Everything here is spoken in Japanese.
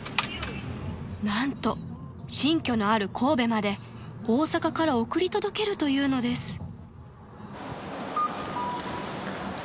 ［何と新居のある神戸まで大阪から送り届けるというのです］